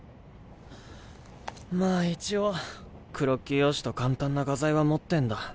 まあ一応クロッキー用紙と簡単な画材は持ってんだ。